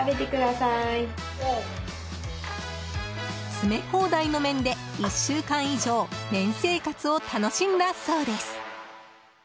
詰め放題の麺で１週間以上麺生活を楽しんだそうです。